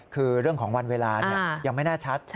คือเรื่องของวันเวลายังไม่แน่ชัด